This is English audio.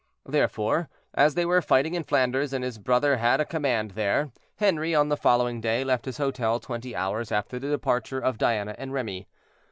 Therefore, as they were fighting in Flanders, and his brother had a command there, Henri, on the following day, left his hotel twenty hours after the departure of Diana and Remy.